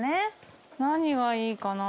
何がいいかな。